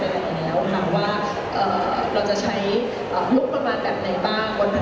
แล้วว่าเราจะใช้งบประมาณแบบไหนบ้าง